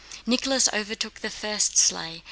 Nicholas overtook the first sleigh.